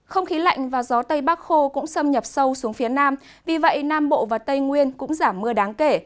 không khí lạnh và gió tây bắc khô cũng xâm nhập sâu xuống phía nam vì vậy nam bộ và tây nguyên cũng giảm mưa đáng kể